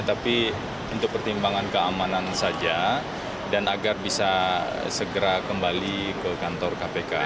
tapi untuk pertimbangan keamanan saja dan agar bisa segera kembali ke kantor kpk